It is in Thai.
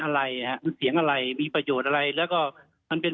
อะไรฮะมันเสียงอะไรมีประโยชน์อะไรแล้วก็มันเป็น